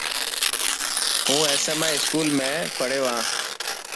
هون SMI اسڪول ۾ پهڙيو هان.